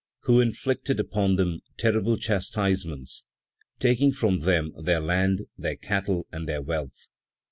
Who inflicted upon them terrible chastisements, taking from them their land, their cattle and their wealth.